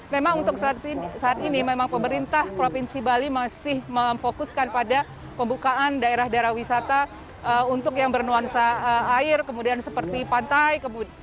memang untuk saat ini memang pemerintah provinsi bali masih memfokuskan pada pembukaan daerah daerah wisata untuk yang bernuansa air kemudian seperti pantai